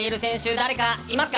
誰かいますか？